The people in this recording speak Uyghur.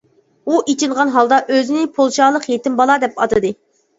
ئۇ ئېچىنغان ھالدا ئۆزىنى «پولشالىق يېتىم بالا» دەپ ئاتىدى.